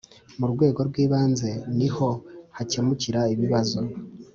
ku Rwego rw Ibanze niho hakemukira ibibazo